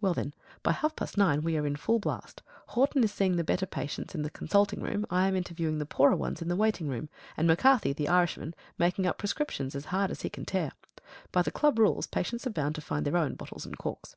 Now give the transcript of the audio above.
Well, then, by half past nine we are in full blast. Horton is seeing the better patients in the consulting room, I am interviewing the poorer ones in the waiting room, and McCarthy, the Irishman, making up prescriptions as hard as he can tear. By the club rules, patients are bound to find their own bottles and corks.